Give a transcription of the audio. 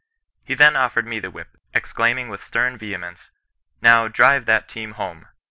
He then offered me the whip, exclaiming with stem vehemence, —* Now, drive that team home!'